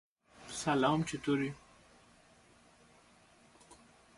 Throughout his life he was fascinated by fairy tales.